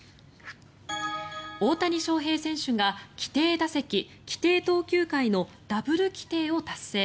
大谷翔平選手が規定打席、規定投球回のダブル規定を達成。